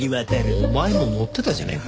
お前ものってたじゃねえか。